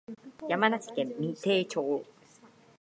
山梨県身延町